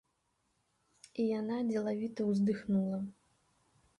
І яна дзелавіта ўздыхнула.